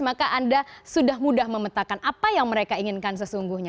maka anda sudah mudah memetakan apa yang mereka inginkan sesungguhnya